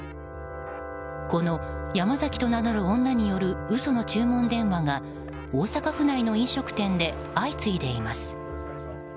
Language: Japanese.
このヤマザキと名乗る女による嘘の注文電話が大阪府内の飲食店で相次いでいます。